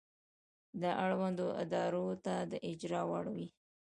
دا اړوندو ادارو ته د اجرا وړ وي.